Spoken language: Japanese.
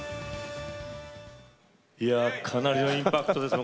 かなりのインパクトですね。